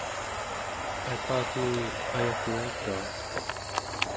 aipaagni ayagngaitua